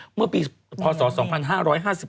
เมื่อปีพศ๒๕๕๓